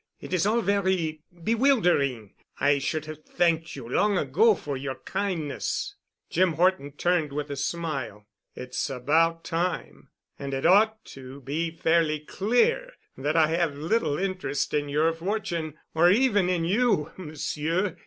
It is all very bewildering. I should have thanked you long ago for your kindness." Jim Horton turned with a smile. "It's about time. And it ought to be fairly clear that I have little interest in your fortune or even in you, Monsieur.